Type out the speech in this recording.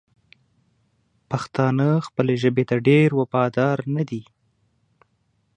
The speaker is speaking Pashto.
پښتانه خپلې ژبې ته ډېر وفادار ندي!